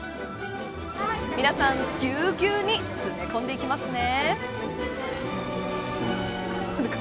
皆さん、ぎゅうぎゅうに詰め込んでいきますね。